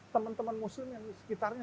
teman teman musim yang sekitarnya